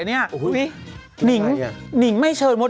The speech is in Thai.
ฮะเขาไม่เชิญ